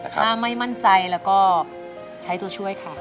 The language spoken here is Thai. ถ้าไม่มั่นใจแล้วก็ใช้ตัวช่วยค่ะ